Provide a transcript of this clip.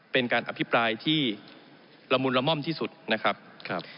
เป็นการอภิปรายที่ละมุนละม่อมที่สุดนะครับ